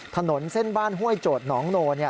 ถนนเส้นบ้านห้วยโจทย์หนองโน